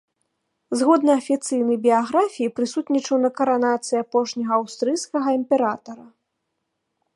Згодна афіцыйнай біяграфіі прысутнічаў на каранацыі апошняга аўстрыйскага імператара.